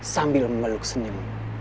sambil memeluk senyum